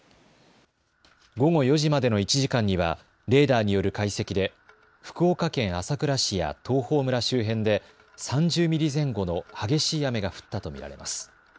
午後４時までの１時間にはレーダーによる解析で福岡県朝倉市や東峰村周辺で３０ミリ前後の激しい雨が降ったと見られます。